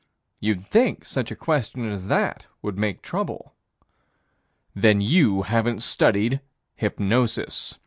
You'd think that such a question as that would make trouble? Then you haven't studied hypnosis.